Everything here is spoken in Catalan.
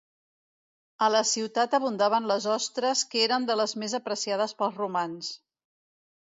A la ciutat abundaven les ostres que eren de les més apreciades pels romans.